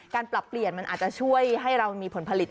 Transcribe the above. ปรับเปลี่ยนมันอาจจะช่วยให้เรามีผลผลิต